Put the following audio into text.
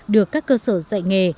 được các cơ sở dạy nghề